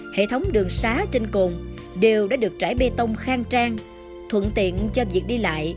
hệ thống đường xá trên cồn đều đã được trải bê tông khang trang thuận tiện cho việc đi lại